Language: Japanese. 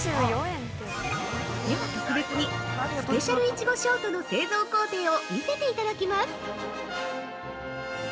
では、特別にスペシャル苺ショートの製造工程を見せていただきます。